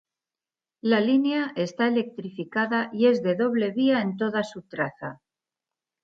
La línea está electrificada y es de doble vía en toda su traza.